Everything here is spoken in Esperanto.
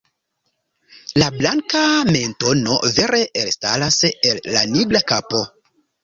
La blanka mentono vere elstaras el la nigra kapo.